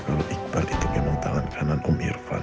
kalau iqbal itu memang tangan kanan om irfan